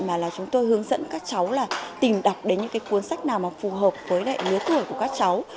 mà là chúng tôi hướng dẫn các cháu là tìm đọc đến những cuốn sách nào mà phù hợp với lý tưởng của các cháu